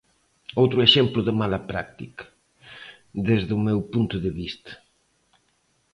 Outro exemplo de mala práctica, dende o meu punto de vista.